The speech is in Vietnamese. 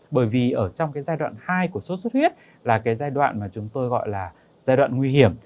bởi vì trong giai đoạn hai của xuất huyết là giai đoạn mà chúng tôi gọi là giai đoạn nguy hiểm